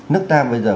nước ta bây giờ